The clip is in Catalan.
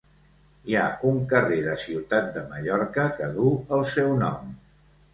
Hi ha un carrer de Ciutat de Mallorca que du el seu nom.